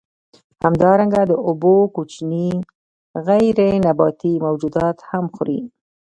همدارنګه د اوبو کوچني غیر نباتي موجودات هم خوري.